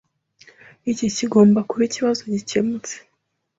Iki kigomba kuba ikibazo gikemutse.